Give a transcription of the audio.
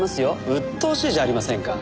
うっとうしいじゃありませんか。